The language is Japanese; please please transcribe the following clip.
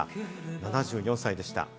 ７４歳でした。